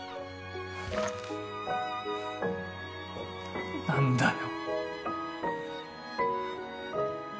何なんだよ